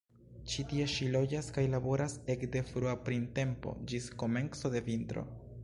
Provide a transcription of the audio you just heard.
Ĉi tie ŝi loĝas kaj laboras ekde frua printempo ĝis komenco de vintro.